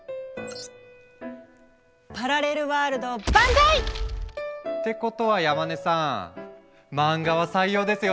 パラレルワールド万歳！ってことは山根さん漫画は採用ですよね？